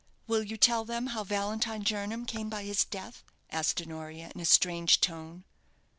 "Will you tell them how Valentine Jernam came by his death?" asked Honoria, in a strange tone.